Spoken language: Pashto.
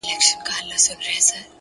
ساده فکر ذهن ته ارامتیا راولي.